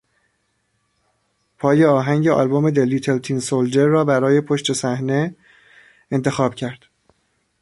پای آهنگ آلبوم "The Little Tin Soldier" را برای پشت صحنه انتخاب کرد.